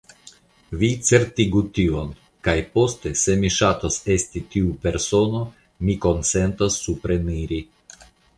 Vi certigu tion, kaj poste, se mi ŝatos esti tiu persono, mi konsentos supreniri.